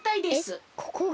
ここが？